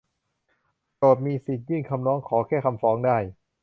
โจทก์มีสิทธิยื่นคำร้องขอแก้ไขคำฟ้องได้